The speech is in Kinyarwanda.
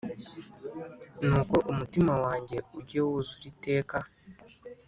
Nuko umutima wanjye Ujye wuzura iteka,